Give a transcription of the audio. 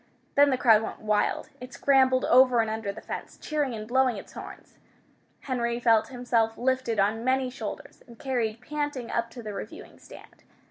Then the crowd went wild. It scrambled over and under the fence, cheering and blowing its horns. Henry felt himself lifted on many shoulders and carried panting up to the reviewing stand.